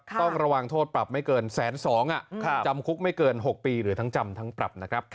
ต้องระวังโทษปรับไม่เกิน๑๒๐๐๐๐อ่ะ